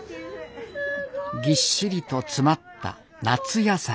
ぎっしりと詰まった夏野菜。